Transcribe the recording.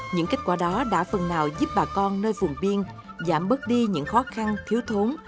những kết quả đó đã phần nào giúp bà con nơi vùng biên giảm bớt đi những khó khăn thiếu thốn